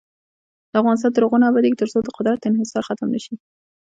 افغانستان تر هغو نه ابادیږي، ترڅو د قدرت انحصار ختم نشي.